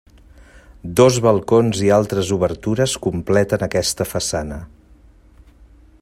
Dos balcons i altres obertures completen aquesta façana.